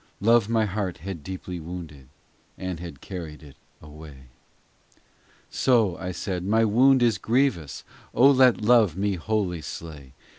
Love my heart had deeply wounded, And had carried it away. So, I said, my wound is grievous ; O let love me wholly slay.